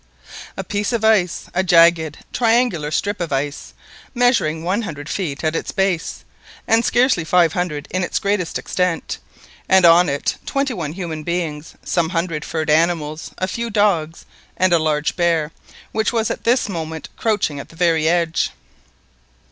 A piece of ice, a jagged triangular strip of ice, measuring one hundred feet at its base, and scarcely five hundred in its greatest extent; and on it twenty one human beings, some hundred furred animals, a few dogs, and a large bear, which was at this moment crouching at the very edge!